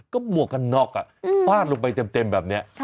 ก็หมวกกันน็อกฟาดลงไปเต็มแบบนี้